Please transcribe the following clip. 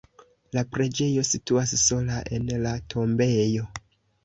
La preĝejo situas sola en la tombejo.